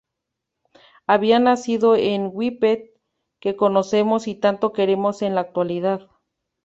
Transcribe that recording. Había nacido el Whippet que conocemos y tanto queremos en la actualidad.